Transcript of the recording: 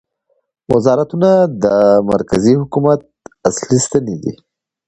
وزارتونه د مرکزي حکومت اصلي ستنې دي